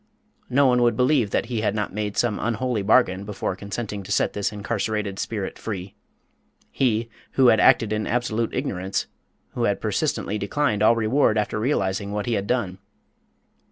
No one would believe that he had not made some unholy bargain before consenting to set this incarcerated spirit free he, who had acted in absolute ignorance, who had persistently declined all reward after realising what he had done!